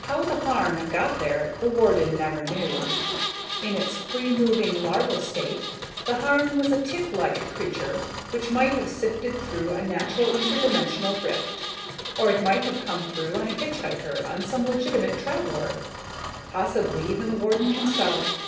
How the Harn got there, the Warden never knew. In its free moving larval state, the Harn was a ticklike creature which might have sifted through a natural inter dimensional rift; or it might have come through as a hitchhiker on some legitimate traveler, possibly even the Warden himself.